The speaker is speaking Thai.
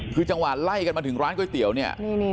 คือจังหวะไล่กันมาถึงร้านก๋วยเตี๋ยวเนี่ย